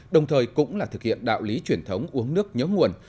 đồng thời cũng là thực hiện đạo lý truyền thống uống nước nhớ nguồn